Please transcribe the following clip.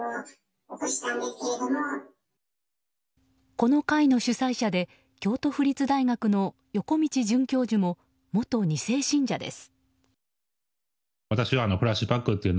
この会の主催者で京都府立大学の横道准教授も元２世信者です。